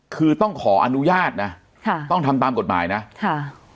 คือต้องขออนุญาตนะค่ะต้องทำตามกฎหมายนะค่ะ